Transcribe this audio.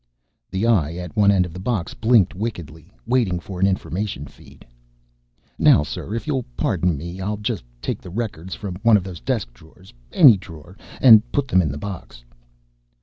The eye at one end of the box blinked wickedly, waiting for an information feed. "Now, sir, if you'll pardon me, I'll just take the records from one of those desk drawers any drawer and put them in the box."